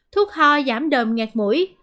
thuốc ho giảm đờm ngạt mũi